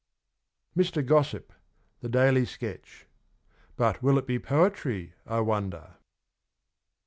MR. GOSSIP, THE DAILY SKETCH. But will it be poetry I wonder